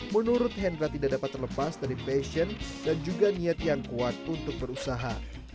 menurut hendra tidak dapat terlepas dari passion dan juga niat yang kuat untuk berusaha